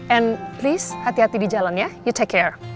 and risk hati hati di jalan ya you take care